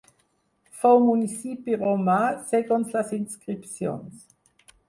Fou municipi romà segons les inscripcions.